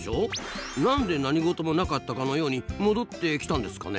何で何事もなかったかのように戻ってきたんですかね？